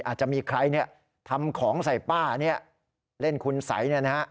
อาจจะมีใครทำของใส่ป้าเล่นคุณไส